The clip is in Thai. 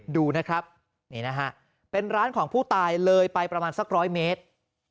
ดูนะครับนี่นะฮะเป็นร้านของผู้ตายเลยไปประมาณสักร้อยเมตร